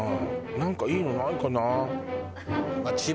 なんかいいのないかな？